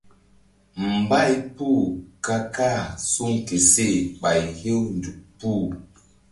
Mbay puh ka kah suŋ ke seh ɓay hew nzuk puh.